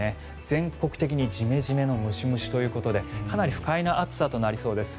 全国的にジメジメのムシムシということでかなり不快な暑さとなりそうです。